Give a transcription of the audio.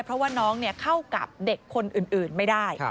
เพราะว่าน้องเข้ากับเด็กคนอื่นไม่ได้